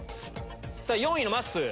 さぁ４位のまっすー。